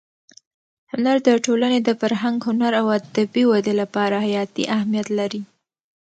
هنر د ټولنې د فرهنګ، هنر او ادبي ودې لپاره حیاتي اهمیت لري.